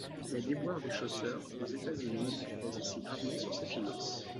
Les déboires du chausseur aux États-Unis pèsent aussi gravement sur ses finances.